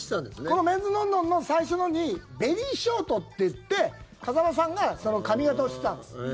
この「ＭＥＮ’ＳＮＯＮ−ＮＯ」の最初のにベリーショートっていって風間さんがその髪形をしてたんです。